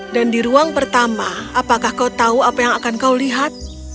dan di ruang pertama apakah kau tahu apa yang akan kau lihat